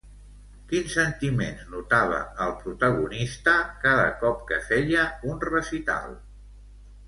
Quins sentiments notava el protagonista cada cop que feia un recital?